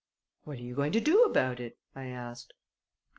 "What are you going to do about it?" I asked.